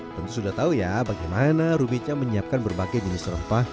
tentu sudah tahu ya bagaimana rubica menyiapkan berbagai jenis rempah